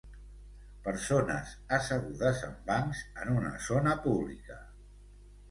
Persones assegudes en bancs en una zona pública.